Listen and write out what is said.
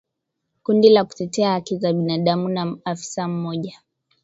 Kundi la kutetea haki za binadamu na afisa mmoja